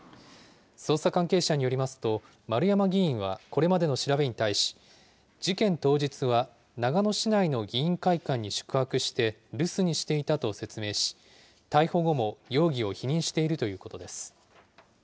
捜査関係者によりますと、丸山議員はこれまでの調べに対し、事件当日は長野市内の議員会館に宿泊して、留守にしていたと説明し、逮捕後も容疑を否認しているということです。